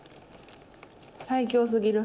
最強すぎる。